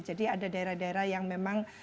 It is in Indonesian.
jadi ada daerah daerah yang memang